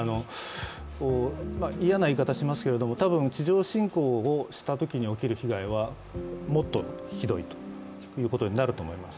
嫌な言い方をしますけど、多分地上侵攻をしたときに起きる被害はもっとひどいということになると思います。